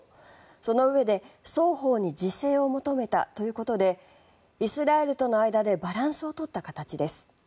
そのうえで双方に自制を求めたということでイスラエルとの間でバランスを取った形です。